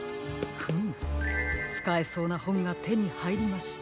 フムつかえそうなほんがてにはいりました。